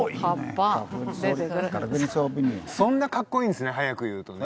そんなかっこいいんですね早く言うとね。